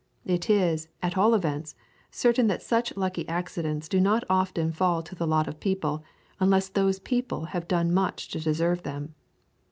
It is, at all events, certain that such lucky accidents do not often fall to the lot of people unless those people have done much to deserve them.